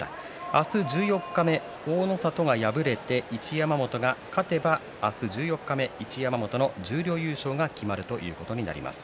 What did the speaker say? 明日、十四日目大の里が敗れて一山本が勝てば明日、十四日目一山本の十両優勝が決まるということになります。